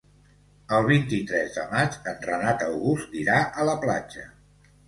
El vint-i-tres de maig en Renat August irà a la platja.